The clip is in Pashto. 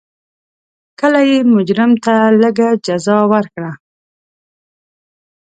کله یې مجرم ته لږه جزا ورکړه.